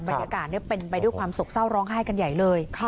บรรยากาศเป็นไปด้วยความโศกเศร้าร้องไห้กันใหญ่เลย